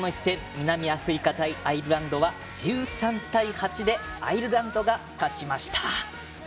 南アフリカ対アイルランドは１３対８でアイルランドが勝ちました。